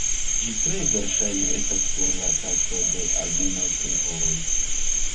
Ĝi tre verŝajne estas sur la taso de almenaŭ tri horoj.